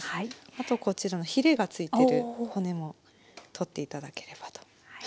あとこちらのひれが付いてる骨も取って頂ければと思います。